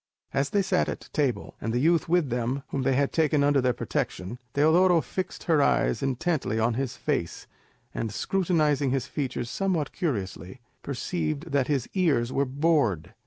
As they sat at table, and the youth with them whom they had taken under their protection, Teodoro fixed her eyes intently on his face, and scrutinising his features somewhat curiously, perceived that his ears were bored.